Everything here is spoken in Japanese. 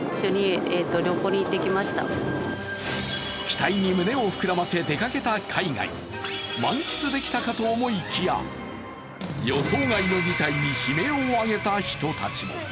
期待に胸を膨らませ出かけた海外、満喫できたかと思いきや予想外の事態に悲鳴を上げた人たちも。